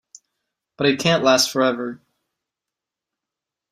But it can't last for ever.